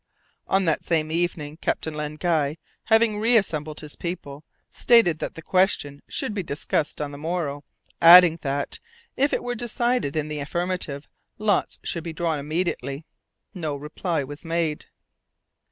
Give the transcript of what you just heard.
On that same evening Captain Len Guy, having reassembled his people, stated that the question should be discussed on the morrow, adding that, if it were decided in the affirmative, lots should be drawn immediately. No reply was made.